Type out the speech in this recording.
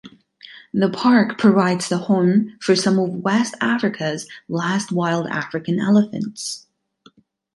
The park provides a home for some of West Africa's last wild African elephants.